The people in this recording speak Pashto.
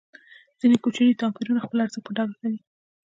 ځینې کوچني توپیرونه خپل ارزښت په ډاګه کوي.